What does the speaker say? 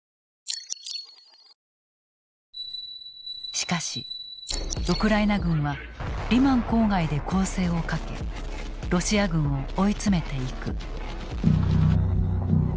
しかしウクライナ軍はリマン郊外で攻勢をかけロシア軍を追い詰めていく。